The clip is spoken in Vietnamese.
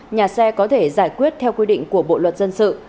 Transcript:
nhà xe có thể giải quyết theo quy định của bộ luật dân sự